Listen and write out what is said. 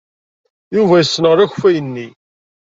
Yuba yessenɣel akeffay-nni.